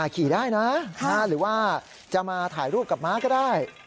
ขี่ได้นะหรือว่าจะมาถ่ายรูปกับม้าก็ได้